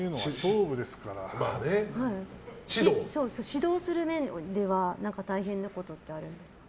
指導する面では大変なことってあるんですか。